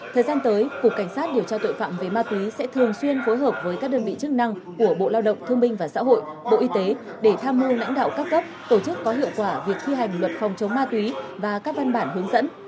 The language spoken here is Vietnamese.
thời gian tới cục cảnh sát điều tra tội phạm về ma túy sẽ thường xuyên phối hợp với các đơn vị chức năng của bộ lao động thương minh và xã hội bộ y tế để tham mưu lãnh đạo các cấp tổ chức có hiệu quả việc thi hành luật phòng chống ma túy và các văn bản hướng dẫn